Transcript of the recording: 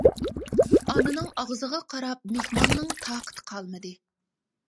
ئانىنىڭ ئاغزىغا قاراپ مېھماننىڭ تاقىتى قالمىدى.